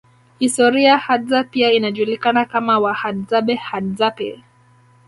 Historia Hadza pia inajulikana kama Wahadzabe Hadzapi